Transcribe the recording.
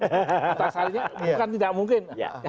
antasarinya bukan tidak mungkin